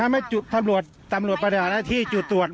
ถ้าไม่จุดตรวจตำรวจประดาษที่จุดตรวจ